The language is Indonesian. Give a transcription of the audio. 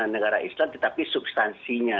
negara islam tetapi substansinya